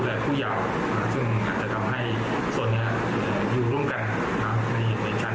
อำเภอเพื่อให้ลดความหันได้ในอุปกรณ์สนามตรงนี้หลง